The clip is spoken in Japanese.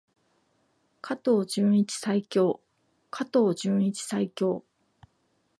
加藤純一最強！加藤純一最強！